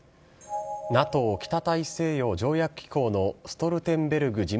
ＮＡＴＯ・北大西洋条約機構のストルテンベルグ